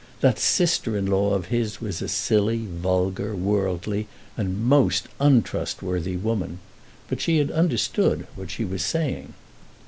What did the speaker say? That sister in law of his was a silly, vulgar, worldly, and most untrustworthy woman; but she had understood what she was saying.